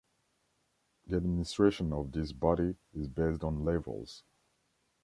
The administration of this body is based on levels.